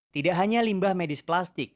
tidak hanya limbah medis plastik